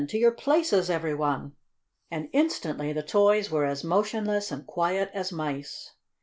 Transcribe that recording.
To your places, every one!" And instantly the toys were as motionless and quiet as mice.